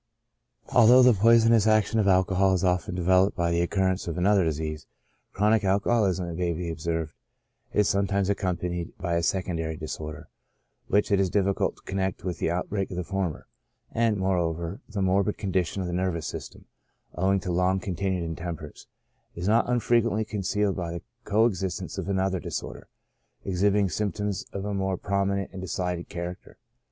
Although the poisonous action of alcohol is often devel oped by the occurrence of another disease, chronic alcoho lism, it may be observed, is sometimes accompanied by a secondary disorder, which it is difficult to connect with the outbreak of the former; and, moreover, the morbid con dition of the nervous system, owing to long continued in temperance, is not unfrequently concealed by the coexistence of another disorder, exhibiting symptoms of a more pro minent and decided character.